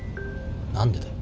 何でだよ。